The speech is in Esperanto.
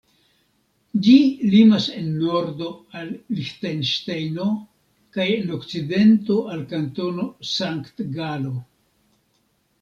Ĝi limas en nordo al Liĥtenŝtejno kaj en okcidento al Kantono Sankt-Galo.